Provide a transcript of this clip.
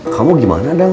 kamu gimana dam